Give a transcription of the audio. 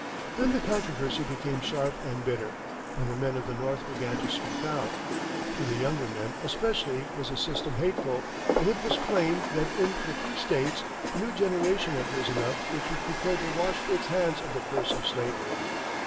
Then the controversy became sharp and bitter, and the men of the North began to speak out. To the younger men especially was the system hateful, and it was plain that in the free States a new generation had risen up which was prepared to wash its hands of the curse of slavery.